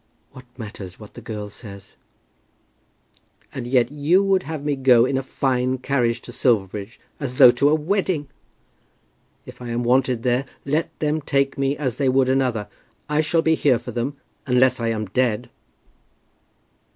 "What matters what the girl says?" "And yet you would have me go in a fine carriage to Silverbridge, as though to a wedding. If I am wanted there let them take me as they would another. I shall be here for them, unless I am dead."